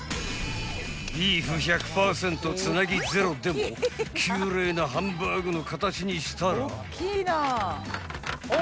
［ビーフ１００％つなぎゼロでも奇麗なハンバーグの形にしたら］